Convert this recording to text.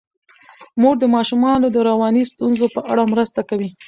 مور د ماشومانو د رواني ستونزو په اړه مرسته کوي.